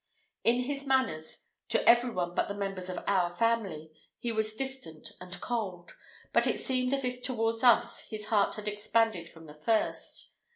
In his manners, to every one but the members of our family, he was distant and cold, but it seemed as if towards us his heart had expanded from the first.